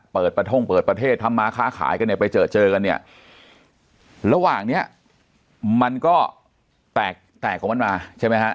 ประท่งเปิดประเทศทำมาค้าขายกันเนี่ยไปเจอเจอกันเนี่ยระหว่างเนี้ยมันก็แตกแตกของมันมาใช่ไหมฮะ